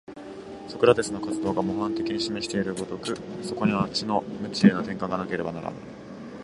ソクラテスの活動が模範的に示している如く、そこには知の無知への転換がなければならぬ。